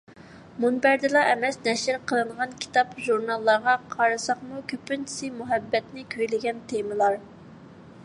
مۇنبەردىلا ئەمەس، نەشر قىلىنغان كىتاب-ژۇرناللارغا قارىساقمۇ، كۆپىنچىسى مۇھەببەتنى كۈيلىگەن تېمىلار.